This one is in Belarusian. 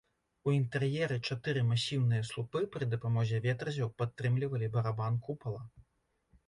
У інтэр'еры чатыры масіўныя слупы пры дапамозе ветразяў падтрымлівалі барабан купала.